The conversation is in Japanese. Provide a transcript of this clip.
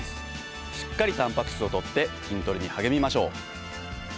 しっかりたんぱく質をとって筋トレに励みましょう。